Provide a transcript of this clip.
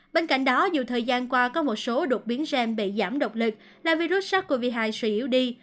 bên cạnh đó dù thời gian qua có một số đột biến gen bị giảm độc lực là virus sars cov hai suy yếu đi